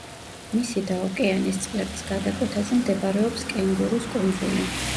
მისი და ოკეანის წყლების გადაკვეთაზე მდებარეობს კენგურუს კუნძული.